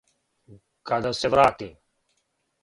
Када се врати.